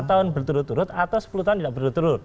lima tahun berturut turut atau sepuluh tahun tidak berturut turut